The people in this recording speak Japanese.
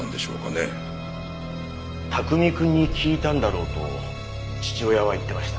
卓海くんに聞いたんだろうと父親は言ってました。